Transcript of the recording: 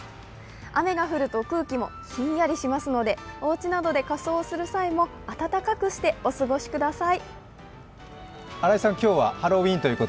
雨が降ると空気もひんやりしますのでおうちなどで仮装する際も暖かくしてお過ごしください。